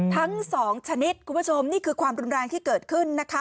ทั้งสองชนิดคุณผู้ชมนี่คือความรุนแรงที่เกิดขึ้นนะคะ